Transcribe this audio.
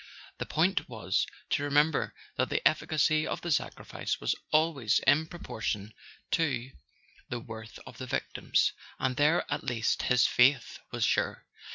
The point was to remember that the efficacy of the sacrifice was always in proportion to the worth of the victims; and there at least his faith was sure.